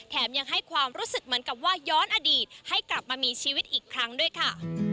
ยังให้ความรู้สึกเหมือนกับว่าย้อนอดีตให้กลับมามีชีวิตอีกครั้งด้วยค่ะ